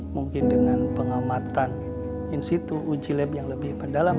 mungkin dengan pengamatan institut uji lab yang lebih mendalam